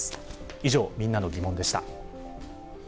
以上、みんなのギモンでした。